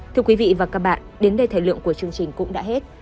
thưa quý vị và các bạn đến đây thời lượng của chương trình cũng đã hết